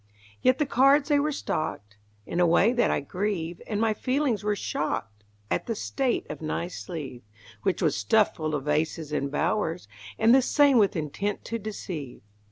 Yet the cards they were stocked In a way that I grieve, And my feelings were shocked At the state of Nye's sleeve, Which was stuffed full of aces and bowers, And the same with intent to deceive.